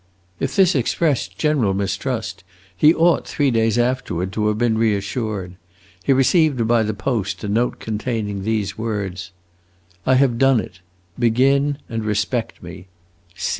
If this expressed general mistrust, he ought, three days afterward, to have been reassured. He received by the post a note containing these words: "I have done it. Begin and respect me!